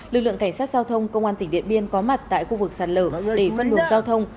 lực lượng cảnh sát giao thông công an tỉnh điện biên có mặt tại khu vực sạt lở để phân luồng giao thông